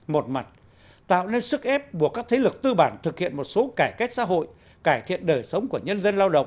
một mặt tạo nên sức ép buộc các thế lực tư bản thực hiện một số cải cách xã hội cải thiện đời sống của nhân dân lao động